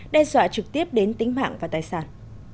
đe dọa trực tiếp đến tính mạng và tài sản